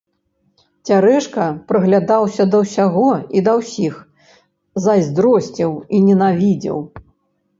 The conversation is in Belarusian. Цярэшка прыглядаўся да ўсяго і да ўсіх, зайздросціў і ненавідзеў.